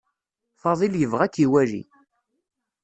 Faḍil yebɣa ad k-iwali.